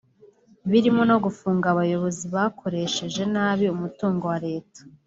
birimo no gufunga abayobozi bakoresheje nabi umutungo wa leta